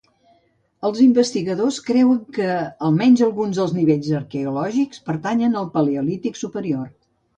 Els investigadors creuen que almenys, alguns dels nivells arqueològics pertanyen al Paleolític Superior.